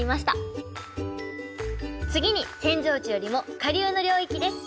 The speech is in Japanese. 次に扇状地よりも下流の領域です。